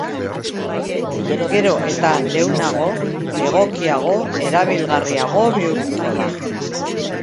Gero eta leunago, egokiago, erabilgarriago bihurtuko da.